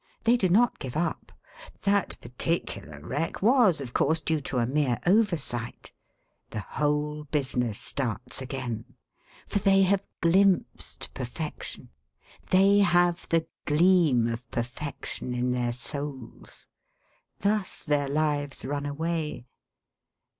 They do not give up that particular wreck was, of course, due to a mere oversight; the whole business starts again. For they have glimpsed perfection; they have the gleam of perfection in their souls. Thus their lives run away.